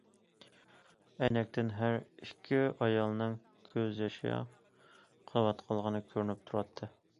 ئەينەكتىن ھەر ئىككى ئايالنىڭ كۆز يېشى قىلىۋاتقانلىقى كۆرۈنۈپ تۇراتتى.